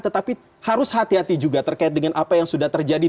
tetapi harus hati hati juga terkait dengan apa yang sudah terjadi